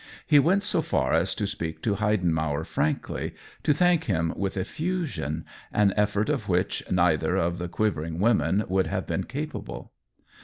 He went so far as to speak to Heidenmauer frankly, to thank him with effusion, an effort of m which neither of the quivering women would have been capable.